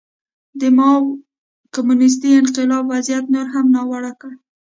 د ماوو کمونېستي انقلاب وضعیت نور هم ناوړه کړ.